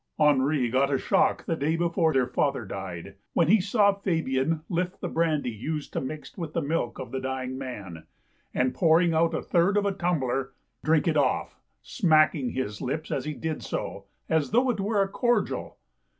Henri got a shock the day before their father died when he saw Fabian lift the brandy used to mix with the milk of the dying man, and pouring out the third of a tumbler, drink it ofif, smacking his lips as he did so, as though it were a cordial.